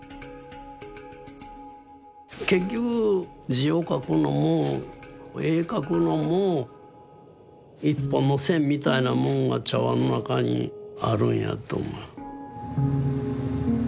結局字を書くのも絵描くのも１本の線みたいなもんが茶碗の中にあるんやと思う。